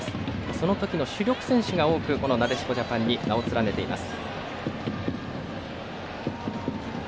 その時の主力選手が多くなでしこジャパンに名を連ねています。